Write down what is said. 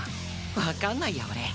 わかんないや俺。